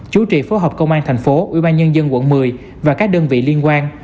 chú trị phố hợp công an tp hcm ủy ban nhân dân quận một mươi và các đơn vị liên quan